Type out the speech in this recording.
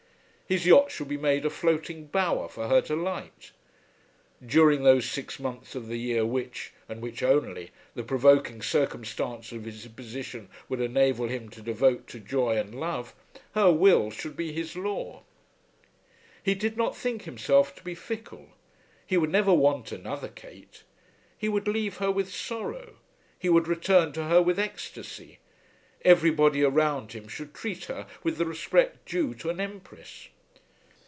His yacht should be made a floating bower for her delight. During those six months of the year which, and which only, the provoking circumstances of his position would enable him to devote to joy and love, her will should be his law. He did not think himself to be fickle. He would never want another Kate. He would leave her with sorrow. He would return to her with ecstasy. Everybody around him should treat her with the respect due to an empress.